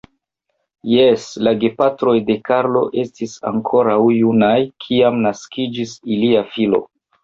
Jes, la gepatroj de Karlo, estis ankoraŭ junaj, kiam naskiĝis ilia filo.